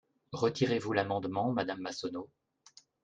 Retirez-vous l’amendement, madame Massonneau?